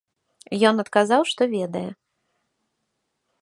Ён адказаў, што ведае.